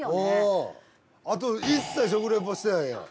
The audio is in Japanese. あと一切食リポしてないやん！